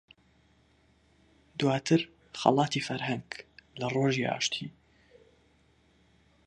دواتر خەڵاتی فەرهەنگ لە ڕۆژی ئاشتی